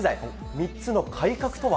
３つの改革とは。